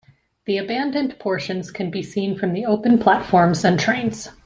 The abandoned portions can be seen from the open platforms and trains.